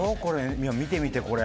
見てみてこれ」。